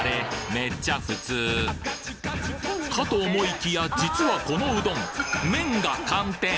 めっちゃ普通かと思いきや実はこのうどん麺が寒天！